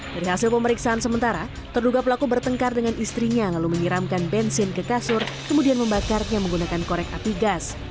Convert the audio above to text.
dari hasil pemeriksaan sementara terduga pelaku bertengkar dengan istrinya lalu menyiramkan bensin ke kasur kemudian membakarnya menggunakan korek api gas